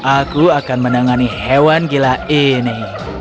aku akan menangani hewan gila ini